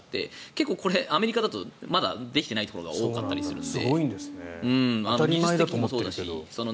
結構これはアメリカだとまだできていないところが多かったりするので。